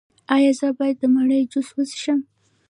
ایا زه باید د مڼې جوس وڅښم؟